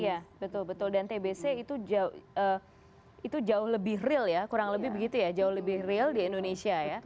iya betul betul dan tbc itu jauh lebih real ya kurang lebih begitu ya jauh lebih real di indonesia ya